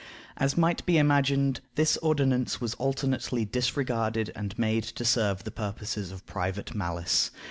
As might be imagined, this ordinance was alternately disregarded and made to serve the purposes of private malice.